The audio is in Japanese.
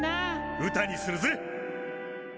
歌にするぜっ。